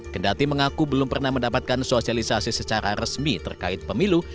kendati mengaku belum pernah mendapatkan sosialisasi secara resmi terkait pemilu